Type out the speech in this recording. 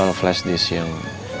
soal flash disk yang